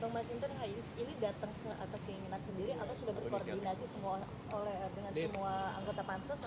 mas inter ini datang atas keinginan sendiri atau sudah berkoordinasi dengan semua anggota pansus